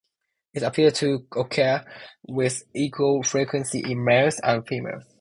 It appears to occur with equal frequency in males and females.